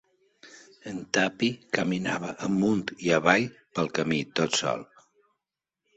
En Tuppy caminava amunt i avall pel camí, tot sol.